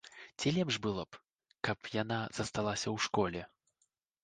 Ці лепш было б, каб яна засталася ў школе?